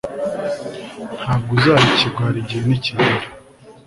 nta bwo uzaba ikigwari igihe nikigera